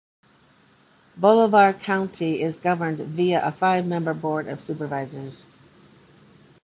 Bolivar County is governed via a five-member board of supervisors.